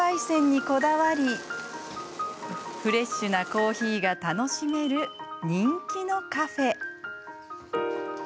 煎にこだわりフレッシュなコーヒーが楽しめる人気のカフェ。